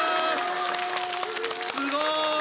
すごい！